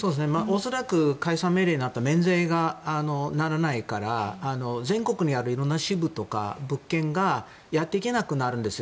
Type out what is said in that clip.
恐らく解散命令のあと免税がならないから全国にあるいろんな支部とか物件がやっていけなくなるんです。